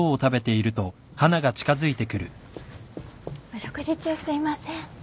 お食事中すいません。